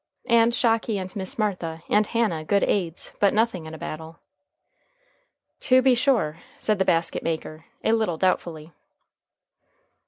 "And Shocky and Miss Martha and Hannah good aids, but nothing in a battle." "To be sure," said the basket maker, a little doubtfully.